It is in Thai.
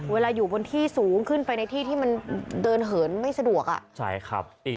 อยู่บนที่สูงขึ้นไปในที่ที่มันเดินเหินไม่สะดวกอ่ะใช่ครับ